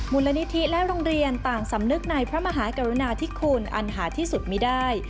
มูลนิธิและโรงเรียนต่างสำนึกในพระมหากรุณาธิคุณอันหาที่สุดมีได้